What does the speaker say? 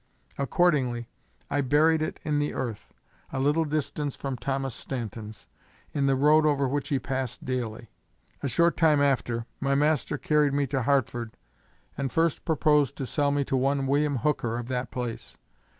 Accordingly I buried it in the earth, a little distance from Thomas Stanton's, in the road over which he passed daily. A short time after my master carried me to Hartford, and first proposed to sell me to one William Hooker of that place.